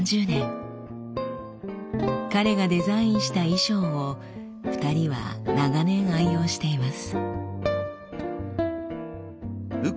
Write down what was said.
彼がデザインした衣装を２人は長年愛用しています。